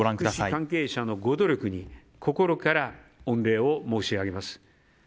関係者のご努力に心から御礼を申し上げます。